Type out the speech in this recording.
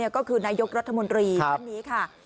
ก็คือนายกรัฐมนตรีท่านนี้ค่ะ